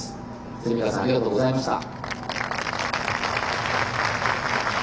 蝉川さんありがとうございました。